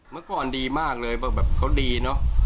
เมื่อก่อนดีมากเลยแบบเขาดีเนอะ